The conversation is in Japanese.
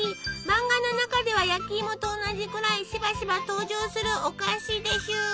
漫画の中では焼きいもと同じくらいしばしば登場するお菓子です。